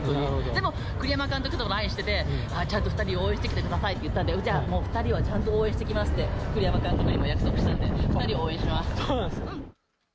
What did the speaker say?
でも、栗山監督とＬＩＮＥしてて、ちゃんと２人を応援してきてくださいって言ったんで、２人をちゃんと応援してきますって、栗山監督にも約束してて、２人を応援します。